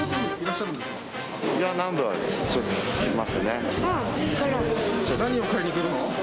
何を買いにくるの？